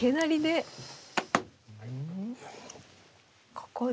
ここで。